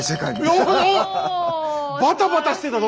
バタバタしてたの？